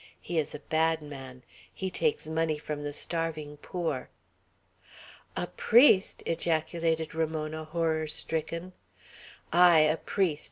He is a bad man. He takes money from the starving poor." "A priest!" ejaculated Ramona, horror stricken. "Ay! a priest!"